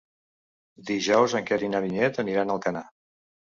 Dijous en Quer i na Vinyet aniran a Alcanar.